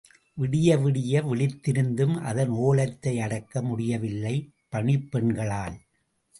விடிய விடிய விழித்திருந்தும், அதன் ஒலத்தை அடக்க முடியவில்லை, பணிப்பெண்களால்.